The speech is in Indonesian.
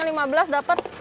satunya lima belas dapat